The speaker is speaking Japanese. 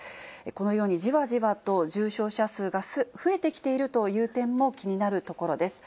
このようにじわじわと重症者数が増えてきているという点も気になるところです。